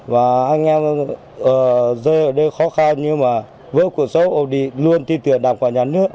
và anh em rơi ở đây khó khăn nhưng mà vô cuộc sống ổn định luôn tin tưởng đảng quản nhà nước